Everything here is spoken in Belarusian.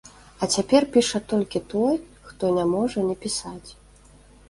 А цяпер піша толькі той, хто не можа не пісаць.